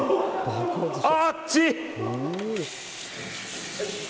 あっち！